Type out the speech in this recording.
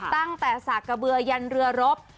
ตั้งแต่สากะเบือยันเรือรบ